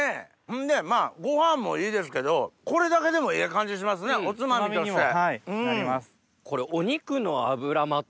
ほんでご飯もいいですけどこれだけでもええ感じしますねおつまみとして。